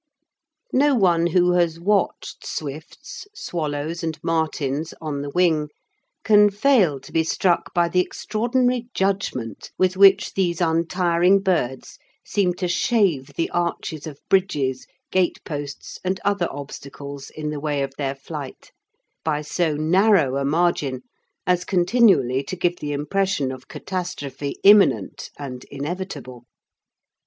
No one who has watched swifts, swallows and martins on the wing can fail to be struck by the extraordinary judgment with which these untiring birds seem to shave the arches of bridges, gateposts, and other obstacles in the way of their flight by so narrow a margin as continually to give the impression of catastrophe imminent and inevitable.